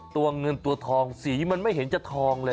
ตัวเงินตัวทองสีมันไม่เห็นจะทองเลย